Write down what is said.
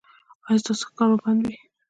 ایا ستاسو ښکار به بند وي؟